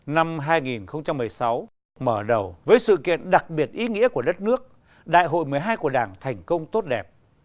năm hai nghìn một mươi sáu mở đầu với sự kiện đặc biệt ý nghĩa của đất nước đại hội một mươi hai của đảng thành công tốt đẹp